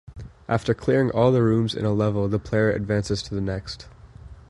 After clearing all the rooms in a level the player advances to the next.